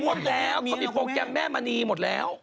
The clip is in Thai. เขามีโปรแกรมแม่มณีหมดแล้ว